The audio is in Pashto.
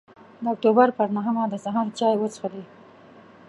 د اکتوبر پر نهمه د سهار چای وڅښلې.